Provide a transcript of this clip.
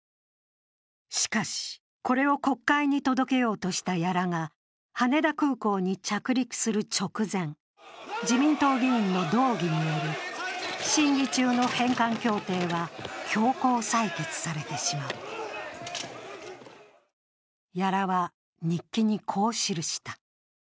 しかし、これを国会に届けようとした屋良が羽田空港に着陸する直前自民党議員の動議により審議中の返還協定は、強行採決されてしまう屋良は、日記にこう記した。